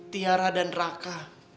tiara dan raka